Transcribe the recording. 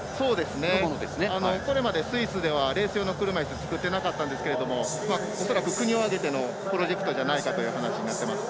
これまでスイスではレース用の車いすを作ってなかったんですけれども恐らく国を挙げてのプロジェクトじゃないかという話になってます。